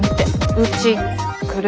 うち来る？